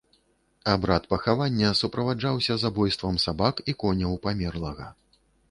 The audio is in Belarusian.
Абрад пахавання суправаджаўся забойствам сабак і коняў памерлага.